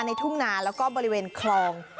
ทุ่งนาแล้วก็บริเวณคลอง